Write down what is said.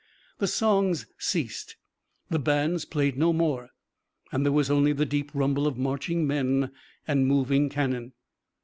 The songs ceased, the bands played no more, and there was only the deep rumble of marching men and moving cannon.